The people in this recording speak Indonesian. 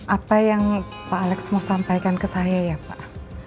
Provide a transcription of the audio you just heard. apa yang pak alex mau sampaikan ke saya ya pak